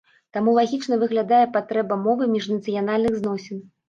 Таму лагічна выглядае патрэба мовы міжнацыянальных зносін.